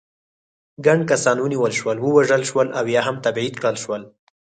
ګڼ کسان ونیول شول، ووژل شول او یا هم تبعید کړل شول.